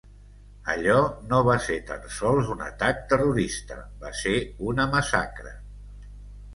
Allò no va ser tan sols un atac terrorista, va ser una massacre.